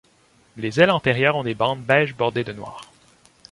Les ailes antérieures ont des bandes beige bordées de noir.